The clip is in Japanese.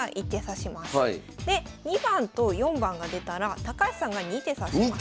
で２番と４番が出たら高橋さんが２手指します。